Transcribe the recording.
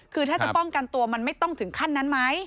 คือถ้าจะป้องกันตัวมันไม่ต้องถึงขั้นนั้นไหม